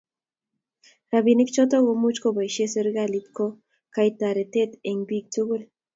Rabinik chotok ko much kobaishe serikalit ko kaito taret eng piik tug'ul